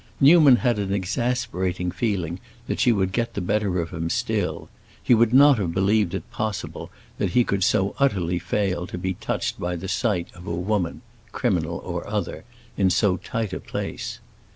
Newman had an exasperating feeling that she would get the better of him still; he would not have believed it possible that he could so utterly fail to be touched by the sight of a woman (criminal or other) in so tight a place.